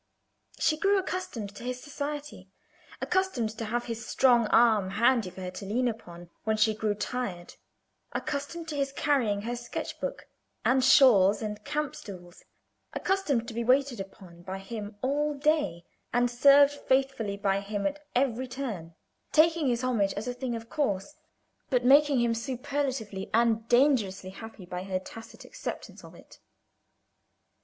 She grew accustomed to his society; accustomed to have his strong arm handy for her to lean upon when she grew tired; accustomed to his carrying her sketch book, and shawls, and camp stools; accustomed to be waited upon by him all day, and served faithfully by him at every turn; taking his homage as a thing of course, but making him superlatively and dangerously happy by her tacit acceptance of it.